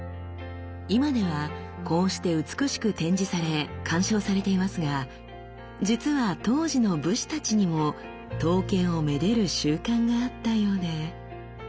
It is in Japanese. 今ではこうして美しく展示され鑑賞されていますが実は当時の武士たちにも刀剣をめでる習慣があったようで。